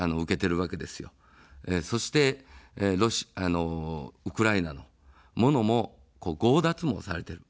そして、ウクライナのものも強奪もされてる。